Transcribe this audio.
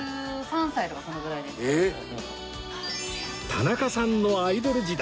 田中さんのアイドル時代